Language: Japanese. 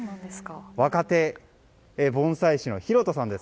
若手盆栽師の廣田さんです。